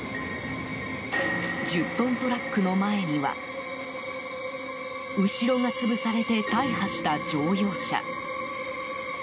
１０トントラックの前には後ろが潰されて大破した乗用車。